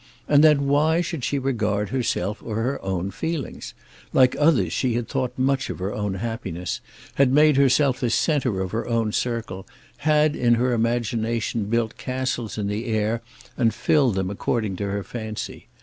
And then why should she regard herself or her own feelings? Like others she had thought much of her own happiness, had made herself the centre of her own circle, had, in her imagination, built castles in the air and filled them according to her fancy.